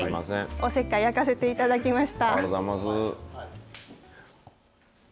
おせっかい焼かせていただきました。